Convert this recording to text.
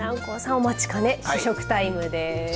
お待ちかねの試食タイムです。